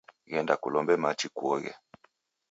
Ghenda kulombe machi kuoghe.